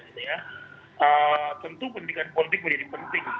tentu pendidikan politik menjadi penting